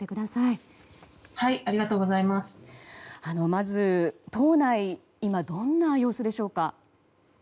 まず、島内今、どんな様子でしょうか。